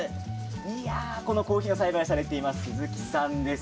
いやあ、このコーヒーを栽培されています鈴木さんです。